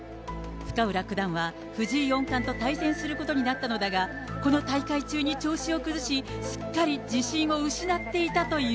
深浦九段は藤井四冠と対戦することになったのだが、この大会中に調子を崩し、すっかり自信を失っていたという。